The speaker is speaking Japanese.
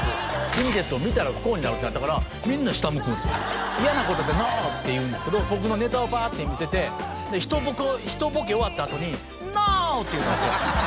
リミテッドを見たら不幸になるって言われたからみんな下向くんすよ嫌なことってＮＯって言うんですけど僕のネタをバーって見せてでひとボケ終わったあとにＮＯって言うんですよ